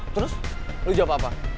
terus lo jawab apa